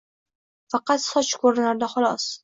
Faqat soch ko‘rinardi xolos.